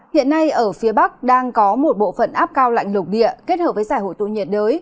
hiện nay ở phía bắc đang có một bộ phận áp cao lạnh lục địa kết hợp với giải hội tụ nhiệt đới